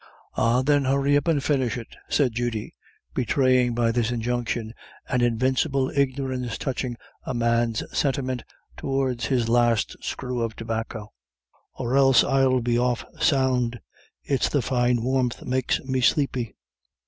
"Ah thin, hurry up and finish it," said Judy, betraying by this injunction an invincible ignorance touching a man's sentiments towards his last screw of tobacco, "or else I'll be off sound. It's the fine warmth makes me sleepy.